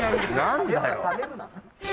何だよ！